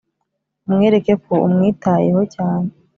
umwereke ko umwitayeho cyane